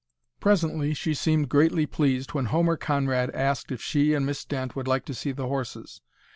Presently she seemed greatly pleased when Homer Conrad asked if she and Miss Dent would like to see the horses.